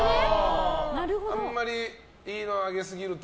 あんまりいいのをあげすぎると。